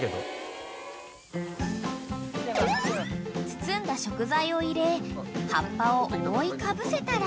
［包んだ食材を入れ葉っぱを覆いかぶせたら］